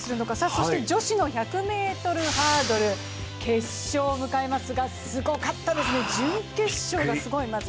そして女子の１００ｍハードル決勝を迎えますが、すごかったですね、準決勝がまずすごい。